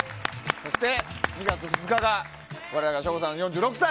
そして、２月２日が我らが省吾さん、４６歳。